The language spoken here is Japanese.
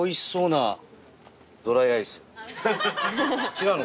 違うの？